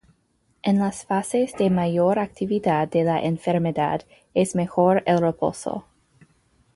En las fases de mayor actividad de la enfermedad es mejor el reposo.